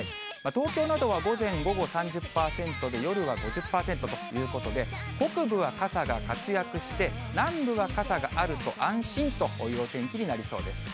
東京などは午前、午後、３０％で、夜は５０％ということで、北部は傘が活躍して、南部は傘があると安心というお天気になりそうです。